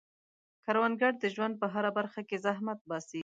کروندګر د ژوند په هره برخه کې زحمت باسي